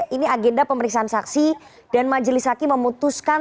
ini agenda pemeriksaan saksi dan majelis hakim memutuskan